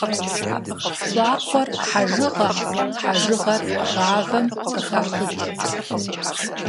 ЩӀакхъуэр хьэжыгъэм, хьэжыгъэр гъавэм къыхащӀыкӀ.